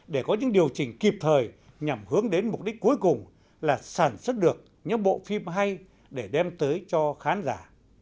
để có những điều chỉnh kịp thời nhằm hướng đến mục đích cuối cùng là sản xuất được những bộ phim hay để đem tới cho khán giả